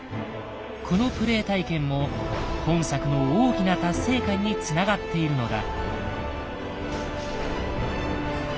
このプレイ体験も本作の大きな達成感につながっているのだ。